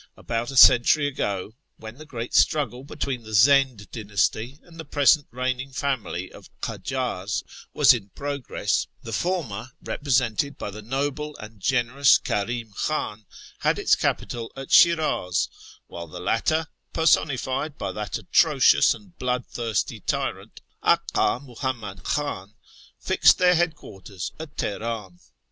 About a century ago, when the great struggle between the Zend dynasty and the present reigning family of the Kajars was in progress, 86 A YEAR AMONGST THE PERSIANS the foniier, represented by tlie iiol)le and generous Karfm Kluin, had its capital at Shini/, while tlie latter, personified by that atrocious and bloodthirsty tyrant Aka Muhammad Khan, fixed their headquarters at Tchen'm.